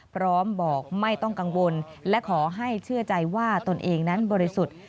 พร้อมบอกไม่ต้องกังวลและขอให้เชื่อใจว่าตนเองนั้นบริสุทธิ์